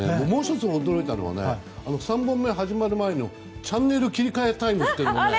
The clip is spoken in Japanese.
もう１つ驚いたのは３本目始まる前のチャンネル切り替えタイム。